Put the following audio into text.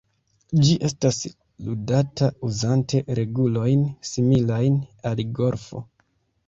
Ĝi estas ludata uzante regulojn similajn al golfo.